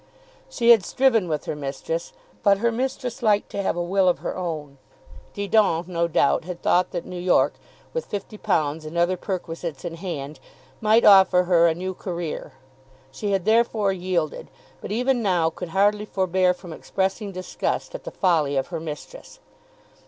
She had striven with her mistress, but her mistress liked to have a will of her own. Didon no doubt had thought that New York, with £50 and other perquisites in hand, might offer her a new career. She had therefore yielded, but even now could hardly forbear from expressing disgust at the folly of her mistress.